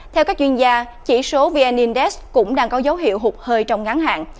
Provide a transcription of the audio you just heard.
theo các chuyên gia chỉ số vn index cũng đang có dấu hiệu hụt hơi trong ngắn hạn